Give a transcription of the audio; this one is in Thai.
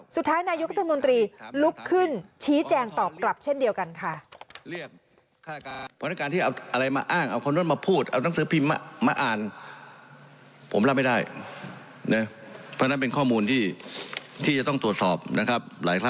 สุดท้ายนายุทธมนตรีลุกขึ้นชี้แจงตอบกลับเช่นเดียวกันค่ะ